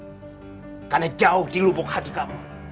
kamu tidak peduli bagja karena dia jauh di lubuk hati kamu